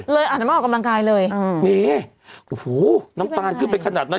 อาจจะไม่ออกกำลังกายเลยอ่านี่โอ้โหน้ำตาลขึ้นไปขนาดนั้น